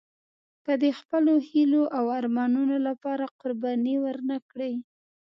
که د خپلو هیلو او ارمانونو لپاره قرباني ورنه کړئ.